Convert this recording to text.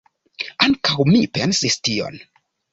Ankaŭ mi pensis tion.